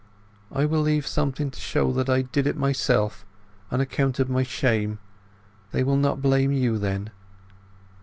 "I will leave something to show that I did it myself—on account of my shame. They will not blame you then."